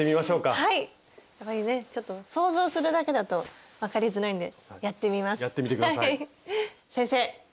やっぱりねちょっと想像するだけだと分かりづらいんでやってみます。